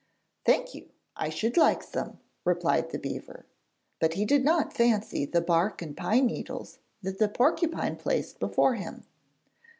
'Thank you, I should like some,' replied the beaver; but he did not fancy the bark and pine needles that the porcupine placed before him.